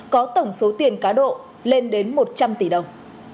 có tổng số tiền cá độ lên đến một trăm linh tỷ đồng